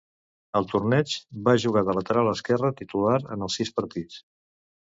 Al torneig, va jugar de lateral esquerre titular en els sis partits.